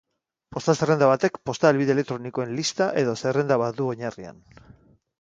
Posta-zerrenda batek, posta helbide elektronikoen lista edo zerrenda bat du oinarrian.